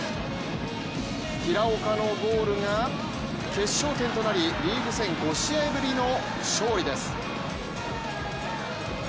平岡のゴールが決勝点となりリーグ戦５試合ぶりの勝利です。